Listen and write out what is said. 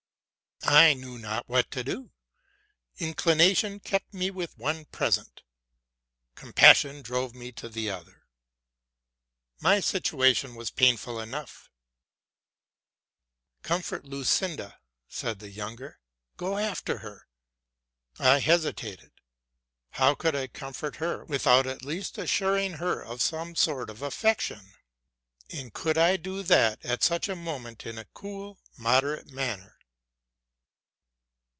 I knew not what to do. Inclination kept me with the one present: compassion drove me to the other. My situation was pain ful enough. '* Comfort Lucinda,'' said the younger: '+ go after her.'' I hesitated. How could I comfort her without at least assuring her of some sort of affection? and could I do that at such a moment in a cool, moderate manner?